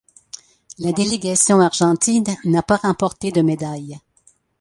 La délégation argentine n'a pas remporté de médailles.